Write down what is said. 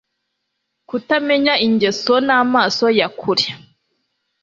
Kutamenya ingeso namaso ya kure